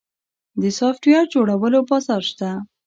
د سافټویر جوړولو بازار شته؟